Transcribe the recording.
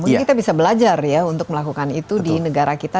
mungkin kita bisa belajar ya untuk melakukan itu di negara kita